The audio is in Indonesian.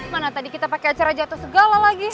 mana tadi kita pakai acara jatuh segala lagi